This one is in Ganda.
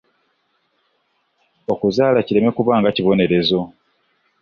Okuzaala kireme kuba nga kibonerezo.